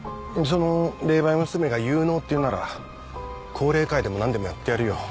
その霊媒娘が有能っていうなら降霊会でも何でもやってやるよ。